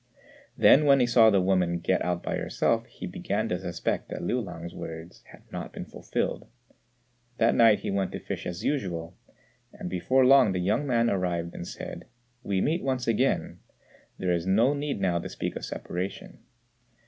Then when he saw the woman get out by herself, he began to suspect that Liu lang's words had not been fulfilled. That night he went to fish as usual, and before long the young man arrived and said, "We meet once again: there is no need now to speak of separation."